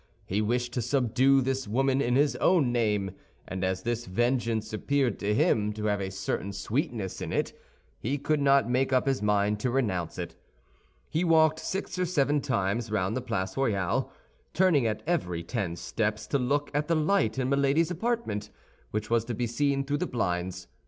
He wished to subdue this woman in his own name; and as this vengeance appeared to him to have a certain sweetness in it, he could not make up his mind to renounce it. He walked six or seven times round the Place Royale, turning at every ten steps to look at the light in Milady's apartment, which was to be seen through the blinds.